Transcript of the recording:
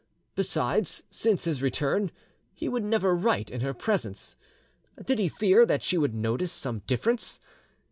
Besides, since his return, he would never write in her presence, did he fear that she would notice some difference?